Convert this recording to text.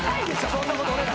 そんなこと俺ら。